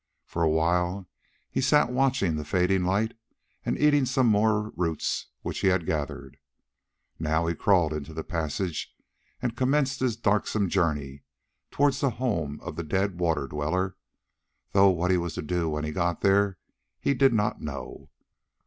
For a while he sat watching the fading light and eating some more roots which he had gathered. Now he crawled into the passage and commenced his darksome journey towards the home of the dead Water Dweller, though what he was to do when he got there he did not know.